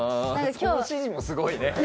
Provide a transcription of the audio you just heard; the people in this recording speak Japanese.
その指示もすごいね。